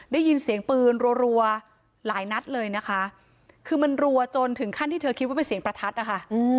ได้ยินเสียงปืนรัวหลายนัดเลยนะคะคือมันรัวจนถึงขั้นที่เธอคิดว่าเป็นเสียงประทัดนะคะ